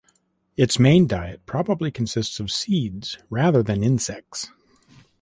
Its main diet probably consisted of seeds rather than insects.